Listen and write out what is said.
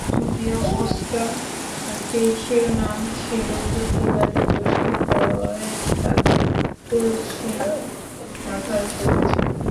যদিও পোস্টারটির শিরোনাম ছিল জঙ্গিবাদী গোষ্ঠী ফের তাদের কুৎসিত মাথা তুলেছে।